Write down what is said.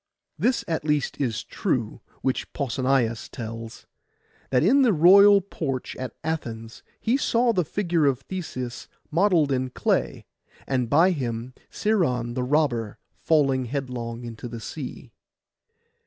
This at least is true, which Pausanias tells, that in the royal porch at Athens he saw the figure of Theseus modelled in clay, and by him Sciron the robber falling headlong into the sea.